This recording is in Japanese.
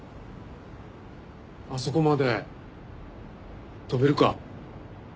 あそこまで跳べるか？